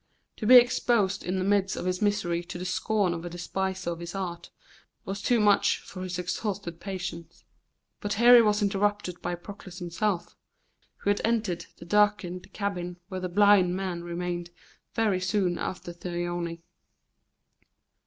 To be exposed in the midst of his misery to the scorn of a despiser of his art was too much for his exhausted patience. But here he was interrupted by Proclus himself, who had entered the darkened cabin where the blind man remained very soon after Thyone.